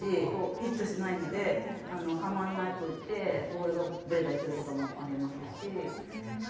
フィットしないのではまらなくてボールがぶれたりすることもありますし。